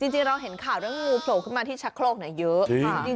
จริงเราเห็นข่าวด้วยงูโผล่ขึ้นมาที่ชะโคลกเนี่ยเยอะ